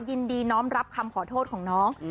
ยินดีน้อมรับคำขอโทษของน้อง